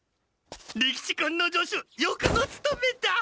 利吉君の助手よくぞつとめた！